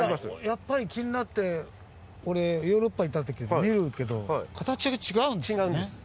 やっぱり気になって俺ヨーロッパ行った時見るけど形が違うんですよね。